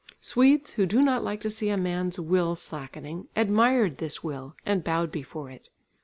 Swedes, who do not like to see a man's will slackening, admired this will and bowed before it.